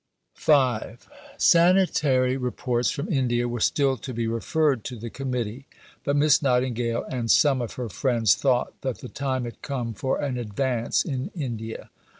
V Sanitary reports from India were still to be referred to the Committee, but Miss Nightingale and some of her friends thought that the time had come for an advance in India.